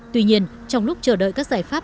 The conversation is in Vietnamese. tuy nhiên trong lúc chờ đợi các giải pháp